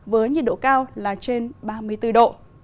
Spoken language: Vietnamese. với nhiệt độ cao là trên ba mươi bốn độ